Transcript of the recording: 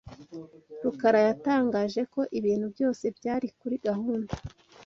Rukara yatangaje ko ibintu byose byari kuri gahunda.